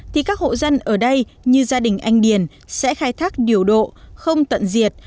thì các hộ dân ở đây như gia đình anh điền sẽ khai thác điều độ không tận diệt